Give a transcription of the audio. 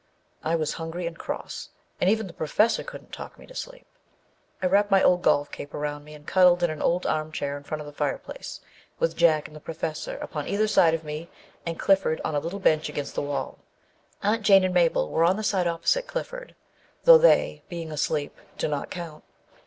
I was hungry and cross, and even the Professor couldn't talk me to sleep. I wrapped my golf cape around me and cuddled in an old armchair in front of the fireplace, with Jack and the Professor upon either side of me and Clifford on a little bench against the wall. Aunt Jane and Mabel were on the side opposite Clifford, though they, being asleep, do not count.